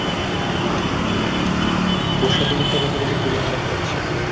ওর সাথে মিথ্যা কথা বলে খুব খারাপ লাগছে।